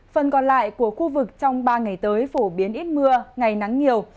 phần còn lại của khu vực trong ba ngày tới phổ biến ít mưa ngày nắng nhiều